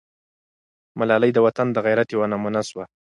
ملالۍ د وطن د غیرت یوه نمونه سوه.